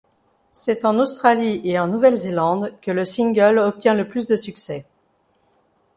C'est en Australie et en Nouvelle-Zélande que le single obtient le plus de succès.